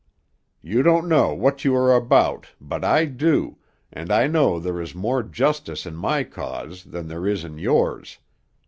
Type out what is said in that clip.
You don't know what you are about, but I do, and I know there is more justice in my cause than there is in yours.